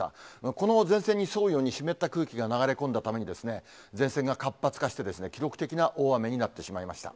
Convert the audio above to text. この前線に沿うように湿った空気が流れ込んだためにですね、前線が活発化してですね、記録的な大雨になってしまいました。